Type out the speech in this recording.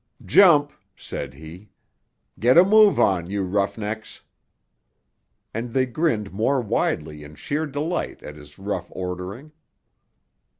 "Jump!" said he. "Get a move on, you roughnecks" And they grinned more widely in sheer delight at his rough ordering.